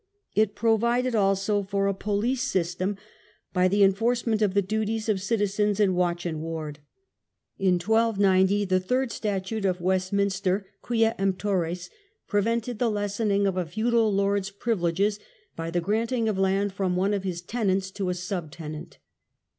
It provided also for a police system, by the enforcement of the duties of citizens in watch and ward. In 1290 The Third Statute of West iftinster {Qufa Emptores) prevented the lessening of a feudal lord's privileges by the granting of land from one of his tenants to a sub tenant.